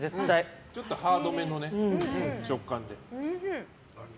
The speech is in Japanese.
ちょっとハードめの食感で。